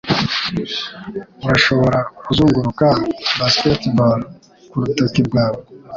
Urashobora kuzunguruka basketball kurutoki rwawe?